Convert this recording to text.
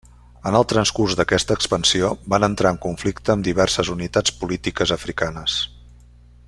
En el transcurs d'aquesta expansió, van entrar en conflicte amb diverses unitats polítiques africanes.